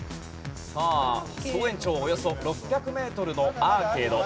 さあ総延長およそ６００メートルのアーケード。